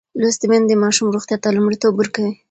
لوستې میندې د ماشوم روغتیا ته لومړیتوب ورکوي.